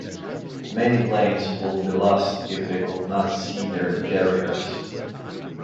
Many planes would be lost if they could not see their carriers.